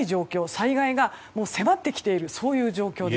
災害が迫ってきている状況です。